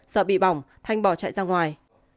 sợ bị bỏng thành bỏ chạy ra ngoài